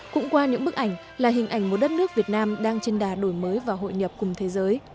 cũng qua những bức ảnh là hình ảnh một đất nước việt nam đang trên đà đổi mới và hội nhập cùng thế giới